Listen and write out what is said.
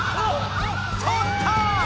とった！